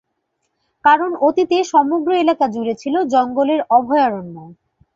কারণ অতীতে সমগ্র এলাকা জুড়ে ছিল জঙ্গলের অভয়ারণ্য।